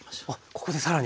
ここで更に。